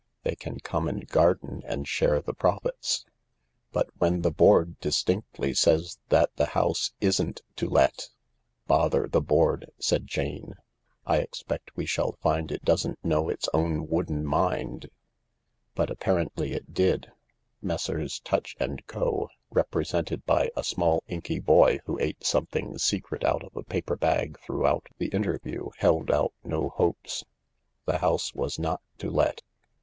They can come and garden and share the profits." "But when the board distinctly says that the ho isn't to let ..."" Bother the board !" said Jane. " I expect we shall find it doesn't know its own wooden mind." But apparently it did. Messrs. Tutch and Co ^represented by a small inky boy who ate something secret out of a paper bag throughout the interview, held out no hopes. The house was not to let.